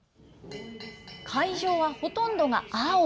会場はほとんどが青。